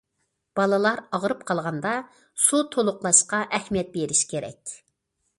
بالىلار ئاغرىپ قالغاندا سۇ تولۇقلاشقا ئەھمىيەت بېرىش كېرەك.